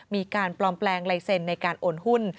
มีการปลอมแปลงลายเซ็นต์ในการโอนหุ้น